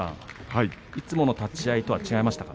いつもの立ち合いと違いましたか。